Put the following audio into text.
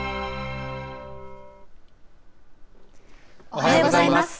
おはようございます。